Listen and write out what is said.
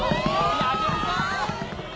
やけるぞ！